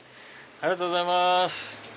ありがとうございます。